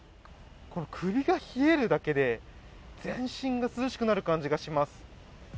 首が冷えるだけで全身が涼しくなる感じがします。